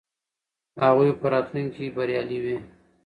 هغوی به په راتلونکي کې بریالي وي.